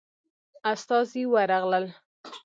استازي ورغلل.